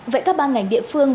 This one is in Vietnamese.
vậy các ban ngành địa phương